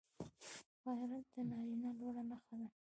غیرت د نارینه لوړه نښه ده